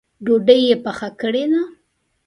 ډوډۍ یې پخه کړې ده؟